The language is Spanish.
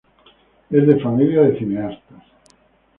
Es de familia de cineastas.